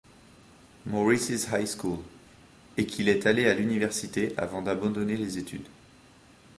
Maurice's High School et qu'il est allé à l'université avant d'abandonner les études.